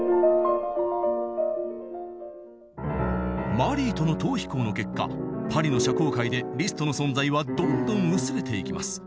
マリーとの逃避行の結果パリの社交界でリストの存在はどんどん薄れていきます。